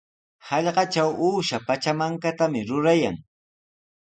Hallqatraw uusha pachamankatami rurayan.